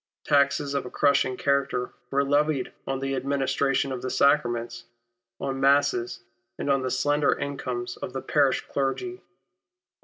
Taxes of a crushing character were levied on the administration of the sacraments, on masses, and on the slender incomes of the parish clergy.